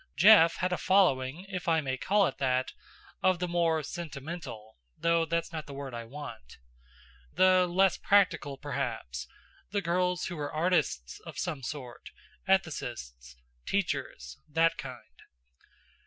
Jeff had a following, if I may call it that, of the more sentimental though that's not the word I want. The less practical, perhaps; the girls who were artists of some sort, ethicists, teachers that kind.